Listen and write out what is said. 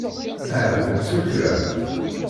Ahat nettu kra?